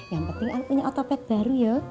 yang penting punya otopet baru ya